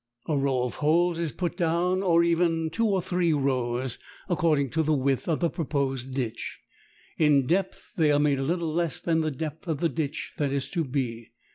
A row of holes is put down, or even two or three rows, according to the width of the proposed ditch. In depth they are made a little less than the depth of the ditch that is to be.